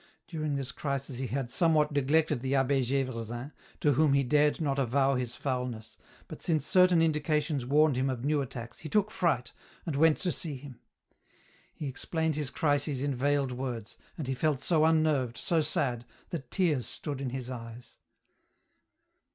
During this crisis he had somewhat neglected the Ahh6 Gdvresin, to whom he dared not avow his foulness, but since certain indications warned him of new attacks, he took fright, and went to see him. He explained his crises in veiled words, and he felt so unnerved, so sad, that tears stood in his eyes.